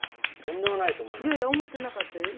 いやいや思ってなかったよ。